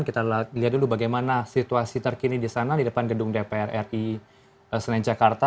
kita lihat dulu bagaimana situasi terkini di sana di depan gedung dpr ri senin jakarta